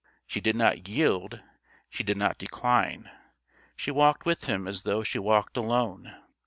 She did not yield, she did not decline; she walked with him as though she walked alone.